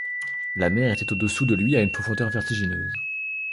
La mer était au-dessous de lui à une profondeur vertigineuse.